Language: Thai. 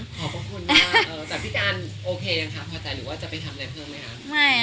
ขอบพระคุณมากจากพี่การโอเคยังคะพอใจหรือว่าจะไปทำอะไรเพิ่มไหมคะ